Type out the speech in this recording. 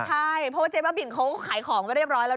ใช่เพราะว่าเจ๊บ้าบินเขาขายของไปเรียบร้อยแล้ว